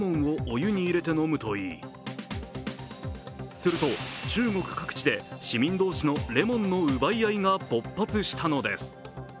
すると、中国各地で市民同士のレモンの奪い合いが勃発したのです。